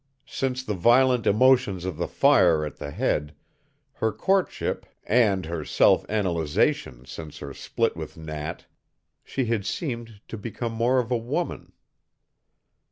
Since the violent emotions of the fire at the Head, her courtship, and her self analyzation since her split with Nat, she had seemed to become more of a woman.